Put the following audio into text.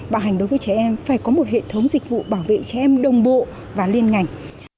bảo hành đối với trẻ em phải có một hệ thống dịch vụ bảo vệ trẻ em đồng bộ và liên ngành